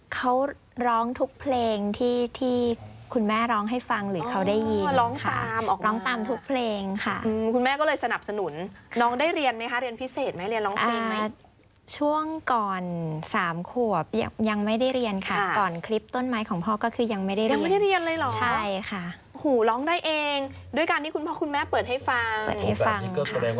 เขาร้องทุกเพลงที่ที่คุณแม่ร้องให้ฟังหรือเขาได้ยินค่ะร้องตามออกมาร้องตามทุกเพลงค่ะอืมคุณแม่ก็เลยสนับสนุนน้องได้เรียนไหมคะเรียนพิเศษไหมเรียนร้องเพลงไหมอ่าช่วงก่อนสามขวบยังยังไม่ได้เรียนค่ะก่อนคลิปต้นไม้ของพ่อก็คือยังไม่ได้เรียนยังไม่ได้เรียนเลยเหรอใช่ค่ะหูร้อง